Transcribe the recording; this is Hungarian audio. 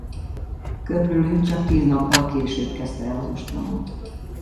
Köprülü csak tíz nappal később kezdte el az ostromot.